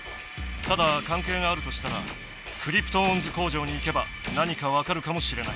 ただかんけいがあるとしたらクリプトオンズ工場に行けば何かわかるかもしれない。